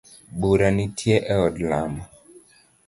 Bura nitie e od lamo.